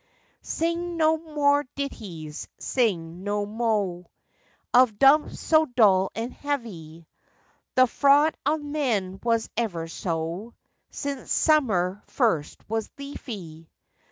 Sing no more ditties, sing no moe Of dumps so dull and heavy; The fraud of men was ever so, Since summer first was leafy.